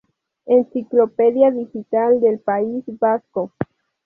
Enciclopedia digital del País Vasco.